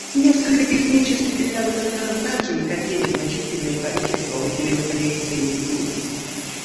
Несколько технически передовых стран также накопили значительные количества выделенных америция и нептуния.